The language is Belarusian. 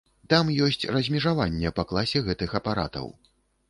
Там ёсць размежаванне па класе гэтых апаратаў.